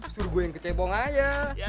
suruh gue yang kecebong aja